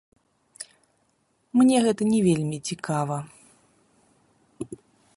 Мне гэта не вельмі цікава.